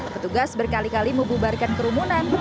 petugas berkali kali membubarkan kerumunan